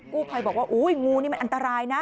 กู้ภัยบอกว่าอุ้ยงูนี่มันอันตรายนะ